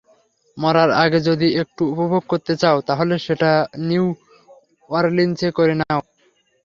মরার আগে যদি একটু উপভোগ করতে চাও, তাহলে সেটা নিউ অরলিন্সে করে নাও।